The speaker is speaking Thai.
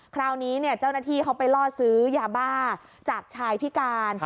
คราวนี้เจ้าหน้าที่เขาไปล่อซื้อยาบ้าจากชายพิการ